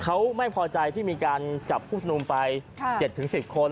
เขาไม่พอใจที่มีการจับผู้ชมนุมไป๗๑๐คน